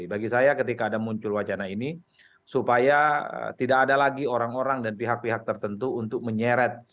bagi saya ketika ada muncul wacana ini supaya tidak ada lagi orang orang dan pihak pihak tertentu untuk menyeret